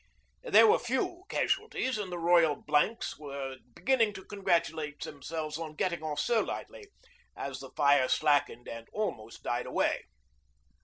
There were few casualties, and the Royal Blanks were beginning to congratulate themselves on getting off so lightly as the fire slackened and almost died away.